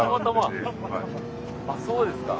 あっそうですか。